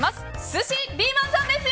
寿司リーマンさんです！